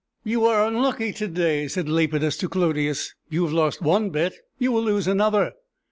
"You are unlucky to day," said Lepidus to Clodius: "you have lost one bet; you will lose another."